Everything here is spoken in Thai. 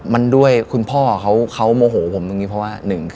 มันด้วยคุณพ่อเขาโมโหผมอยู่ไงเพราะว่า